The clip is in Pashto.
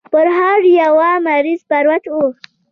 پر هر يوه مريض پروت و.